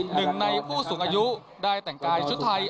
หนึ่งในผู้สูงอายุได้แต่งกายชุดไทย